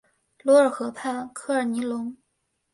卢尔河畔科尔尼隆。